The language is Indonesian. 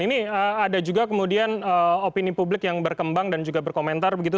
ini ada juga kemudian opini publik yang berkembang dan juga berkomentar begitu